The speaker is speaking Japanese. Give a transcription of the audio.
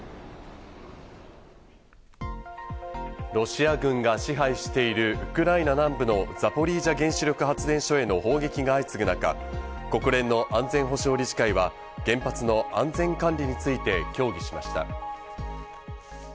ロシア軍が支配しているウクライナ南部のザポリージャ原子力発電所への砲撃が相次ぐ中、国連の安全保障理事会は原発の安全管理について協議しました。